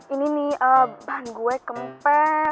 ini nih bahan gue kempen